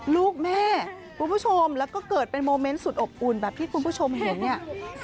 ลูกแม่คุณผู้ชมแล้วก็เกิดเป็นโมเมนต์สุดอบอุ่นแบบที่คุณผู้ชมเห็นเนี่ย